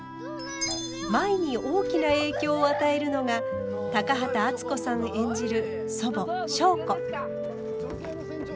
舞に大きな影響を与えるのが高畑淳子さん演じる祖母祥子。